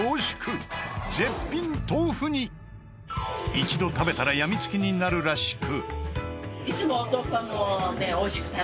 一度食べたらやみつきになるらしく。